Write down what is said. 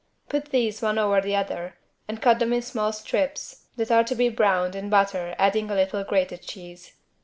Put these one over the other and cut them in small strips that are to be browned in butter adding a little grated cheese.